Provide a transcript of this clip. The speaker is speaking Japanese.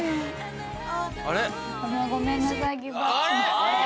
ごめんなさい。